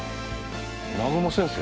南雲先生